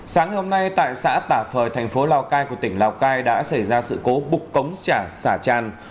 sáng hôm nay tại xã tà phời thành phố lào cai của tỉnh lào cai đã xảy ra sự cố bục cống xả tràn